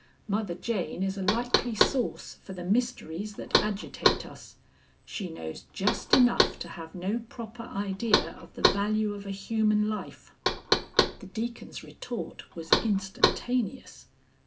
Mother Jane is a likely source for the mysteries that agitate us. She knows just enough to have no proper idea of the value of a human life." The Deacon's retort was instantaneous.